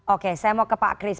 oke saya mau ke pak kris